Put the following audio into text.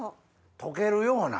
溶けるような。